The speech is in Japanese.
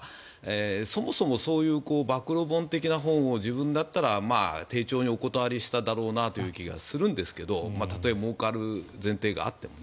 そもそもそういう暴露本的な本は自分だったら丁重にお断りしただろうなという気がするんですけどたとえもうかる前提があっても。